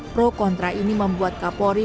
pro kontra ini membuat kapolri